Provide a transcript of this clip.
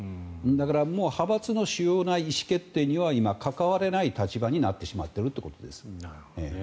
だから派閥の主要な意思決定には今、関われない立場になってしまっているということです。